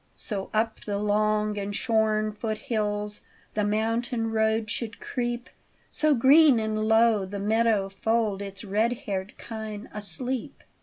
So up the long and shorn foot hills The mountain road should creep; So, green and low, the meadow fold Its red haired kine asleep.